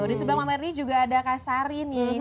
di sebelah mbak merdi juga ada kak sari nih